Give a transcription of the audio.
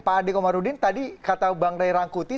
pak ade komarudin tadi kata bang ray rangkuti